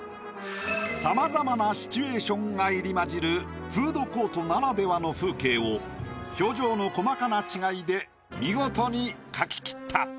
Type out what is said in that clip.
さまざまなシチュエーションが入り交じるフードコートならではの風景を表情の細かな違いで見事に描き切った。